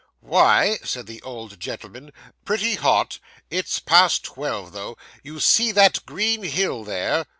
'Why,' said the old gentleman, 'pretty hot. It's past twelve, though. You see that green hill there?